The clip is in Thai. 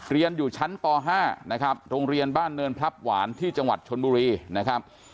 เรียนอยู่ชั้นป๕นะครับโรงเรียนบ้านเนินพลับหวานที่จังหวัดชนบุรีนะครับ